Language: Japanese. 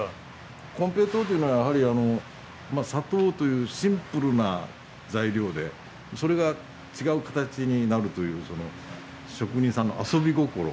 金平糖というのはやはり砂糖というシンプルな材料でそれが違う形になるという職人さんの遊び心